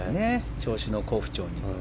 調子の好不調も。